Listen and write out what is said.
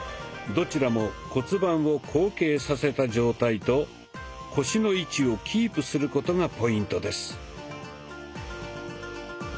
どちらも骨盤を後傾させた状態と腰の位置をキープすることがポイントです。